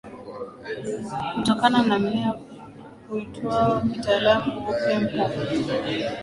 hutokana na mmea huitwao kitaalamu opium poppy